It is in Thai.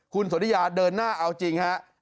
คุณสนทิยาเดินหน้าเอาจริงฮะ